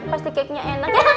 pasti cake nya enak